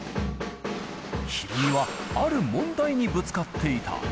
ヒロミはある問題にぶつかっていた。